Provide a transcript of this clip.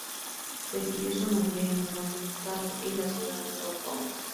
Recibió su nombre en honor del estado y la ciudad de São Paulo.